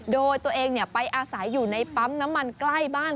โดยตัวเองไปอาศัยอยู่ในปั๊มน้ำมันใกล้บ้าน